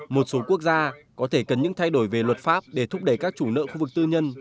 một số quốc gia có thể cần những thay đổi về luật pháp để thúc đẩy các chủ nợ khu vực tư nhân